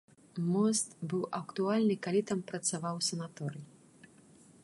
Мост быў актуальны, калі там працаваў санаторый.